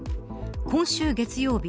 今週月曜日